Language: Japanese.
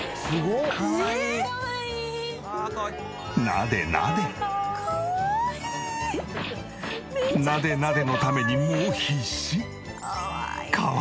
なでなでのためにもう必死！